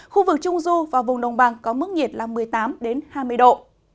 khu vực trung du và vùng đông bằng có mức nhiệt một mươi tám hai mươi độ